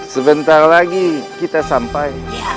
sebentar lagi kita sampai